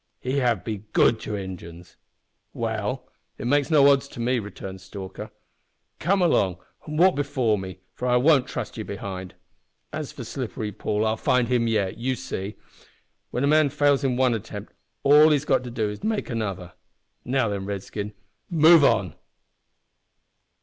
He have be good to Injins." "Well, well; it makes no odds to me," returned Stalker, "Come along, an' walk before me, for I won't trust ye behind. As for slippery Paul, I'll find him yet; you shall see. When a man fails in one attempt, all he's got to do is to make another. Now then, redskin, move on!"